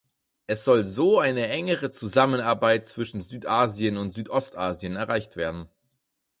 Es soll so eine engere Zusammenarbeit zwischen Südasien und Südostasien erreicht werden.